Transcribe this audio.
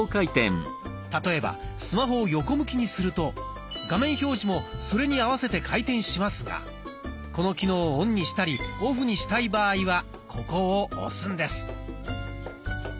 例えばスマホを横向きにすると画面表示もそれに合わせて回転しますがこの機能をオンにしたりオフにしたい場合はここを押すんです。